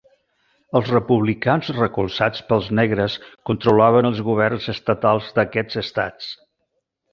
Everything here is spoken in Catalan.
Els republicans recolzats pels negres controlaven els governs estatals d'aquests estats.